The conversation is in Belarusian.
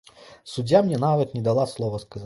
Суддзя мне нават не дала слова сказаць.